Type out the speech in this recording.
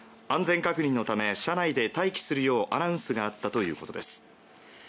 安全確認のため車内で待機するようアナウンスがあったということです。